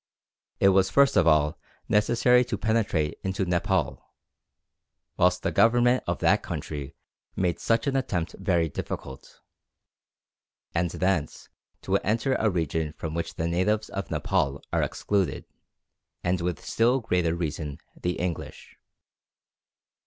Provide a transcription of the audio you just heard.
It was first of all necessary to penetrate into Nepaul, whilst the government of that country made such an attempt very difficult, and thence to enter a region from which the natives of Nepaul are excluded, and with still greater reason the English.